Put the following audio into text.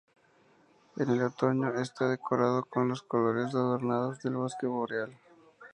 En el otoño, está decorado con los colores adornados del bosque boreal.